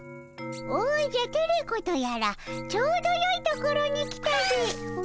おじゃテレ子とやらちょうどよいところに来たでおじゃ。